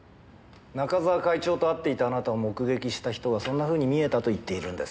中沢会長と会っていたあなたを目撃した人がそんなふうに見えたと言っているんです。